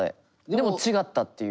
でも違ったっていう。